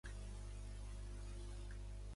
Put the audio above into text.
Azerbaidjan és també part del futur Gasoducte Nabucco.